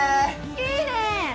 いいね！